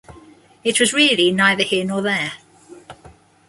It was really neither here nor there.